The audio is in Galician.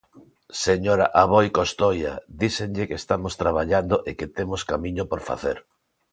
Señora Aboi Costoia, díxenlle que estamos traballando e que temos camiño por facer.